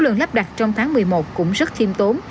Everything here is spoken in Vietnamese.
số lượng lắp đặt trong tháng một mươi một cũng rất thiêm tốn